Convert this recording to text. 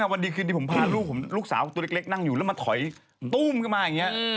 วันดีคืนที่ผมพาลูกลูกสาวตัวเล็กนั่งอยู่แล้วมาถอยตู้มเข้ามาอย่างนี้